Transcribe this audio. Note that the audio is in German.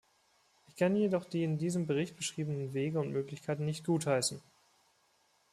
Ich kann jedoch die in diesem Bericht beschriebenen Wege und Möglichkeiten nicht gutheißen.